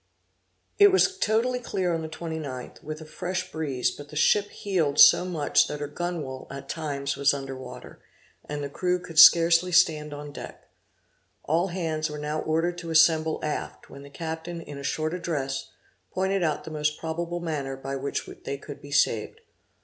It was totally clear on the 29th, with a fresh breeze, but the ship heeled so much that her gunwale at times was under water, and the crew could scarcely stand on deck. All hands were now ordered to assemble aft, when the captain in a short address, pointed out the most probable manner by which they could be saved.